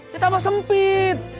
ya tambah sempit